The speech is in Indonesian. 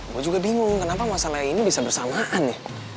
gue juga bingung kenapa masalah ini bisa bersamaan ya